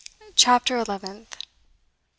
CHAPTER ELEVENTH.